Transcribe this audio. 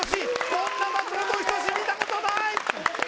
こんな松本人志見たことない！